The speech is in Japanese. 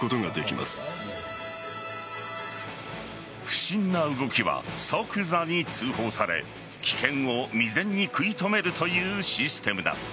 不審な動きは即座に通報され危険を未然に食い止めるというシステムだ。